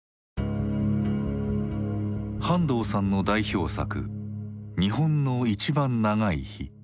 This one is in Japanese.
半藤さんの代表作「日本のいちばん長い日」。